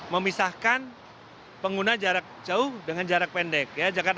memisahkan pengguna jarak jauh dengan jarak pendek